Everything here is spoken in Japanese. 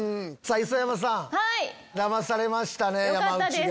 磯山さんだまされましたね山内が。